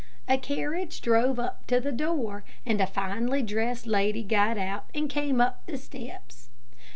A carriage drove up to the door, and a finely dressed lady got out and came up the steps.